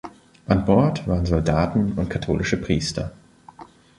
An Bord waren Soldaten und katholische Priester.